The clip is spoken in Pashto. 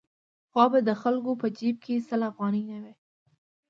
پخوا به د خلکو په جېب کې سل افغانۍ نه وې.